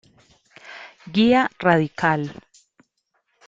Guía radical.